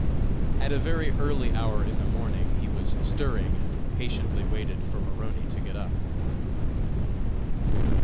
At a very early hour in the morning he was stirring and patiently waited for Maroney to get up.